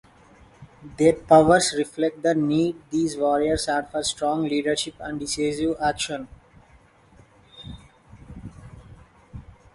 Their powers reflect the need these warriors had for strong leadership and decisive action.